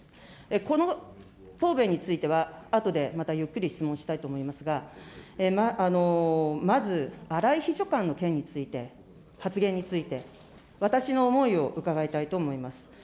この答弁については、あとでまたゆっくり質問したいと思いますが、まず荒井秘書官の件について、発言について、私の思いを伺いたいと思います。